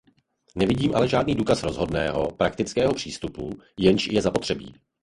Nevidím ale žádný důkaz rozhodného, praktického přístupu, jenž je zapotřebí.